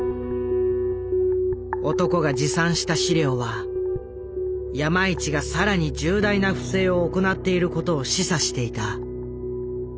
男が持参した資料は山一が更に重大な不正を行っていることを示唆していた。